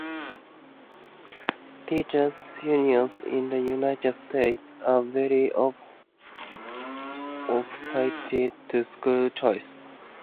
Teachers' unions in the United States are very opposed to school choice.